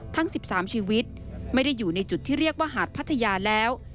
ทั้ง๑๓ชีวิตไม่ได้อยู่ในจุดที่เรียกว่าหาดพัทยาแล้ว